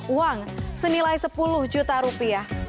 uang senilai sepuluh juta rupiah